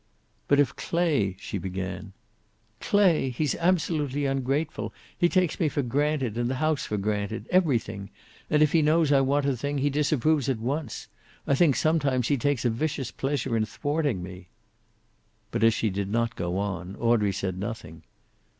"But if Clay " she began. "Clay! He's absolutely ungrateful. He takes me for granted, and the house for granted. Everything. And if he knows I want a thing, he disapproves at once. I think sometimes he takes a vicious pleasure in thwarting me." But as she did not go on, Audrey said nothing.